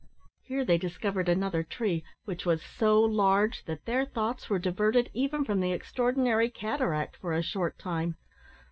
Here they discovered another tree, which was so large that their thoughts were diverted even from the extraordinary cataract for a short time.